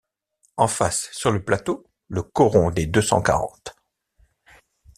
En face, sur le plateau, le coron des Deux-Cent-Quarante